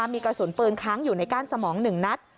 มีกระสุนปืนค้างอยู่ในก้านสมอง๑นัด